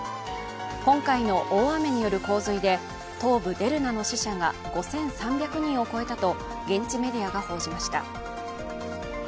今回の大雨による洪水で東部デルナの死者が５３００人を超えたと現地メディアが報じました。